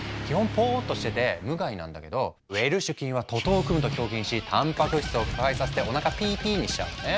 ポーッとしてて無害なんだけどウェルシュ菌は徒党を組むと豹変したんぱく質を腐敗させておなかピーピーにしちゃうのね。